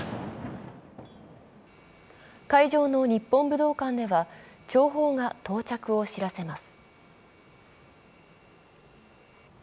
会場の日本武道館では弔砲が到着を知らせます。